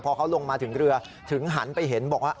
พอเขาลงมาถึงเรือถึงหันไปเห็นบอกว่า